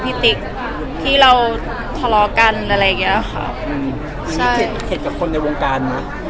พี่แล้วใครขอบคุณที่เราธรอกันอะไรอย่างเงี้ยครับใช้เธ็ตกับคนในวงการ